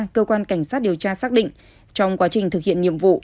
cảnh sát điều tra xác định trong quá trình thực hiện nhiệm vụ